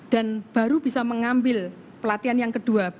dan baru bisa mengambil pelatihan yang terdiri